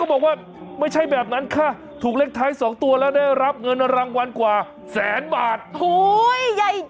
บอกมาเลย